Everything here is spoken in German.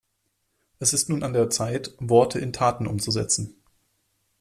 Es ist nun an der Zeit, Worte in Taten umzusetzen.